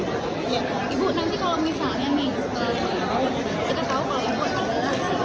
ya ibu nanti kalau misalnya nih setelah ini kita tahu kalau ibu akan berangkat